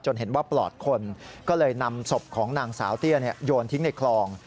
เห็นว่าปลอดคนก็เลยนำศพของนางสาวเตี้ยโยนทิ้งในคลอง